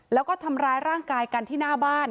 แล้วก็ทำร้ายร่างกายกันที่หน้าบ้าน